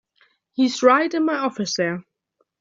He's right in my office there.